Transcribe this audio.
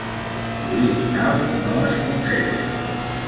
L'original no es conserva.